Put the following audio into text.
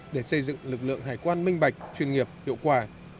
để xây dựng lực lượng hải quan minh bạch chuyên nghiệp hiệu quả